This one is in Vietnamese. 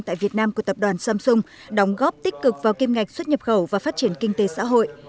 tại việt nam của tập đoàn samsung đóng góp tích cực vào kiêm ngạch xuất nhập khẩu và phát triển kinh tế xã hội